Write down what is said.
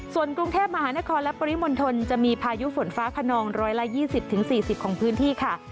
ส่วนกรุงเทพมหานครและปริมณฑลจะมีพายุฝนฟ้าขนอง๑๒๐๔๐ของพื้นที่ค่ะ